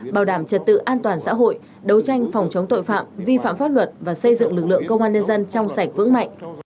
bảo đảm trật tự an toàn xã hội đấu tranh phòng chống tội phạm vi phạm pháp luật và xây dựng lực lượng công an nhân dân trong sạch vững mạnh